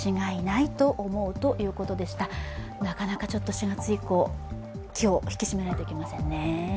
４月以降、気を引き締めないといけませんね。